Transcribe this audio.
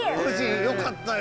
よかったよ。